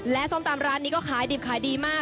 ส้มตำร้านนี้ก็ขายดิบขายดีมาก